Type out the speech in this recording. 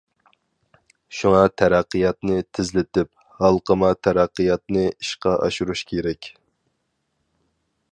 شۇڭا تەرەققىياتنى تېزلىتىپ، ھالقىما تەرەققىياتنى ئىشقا ئاشۇرۇش كېرەك.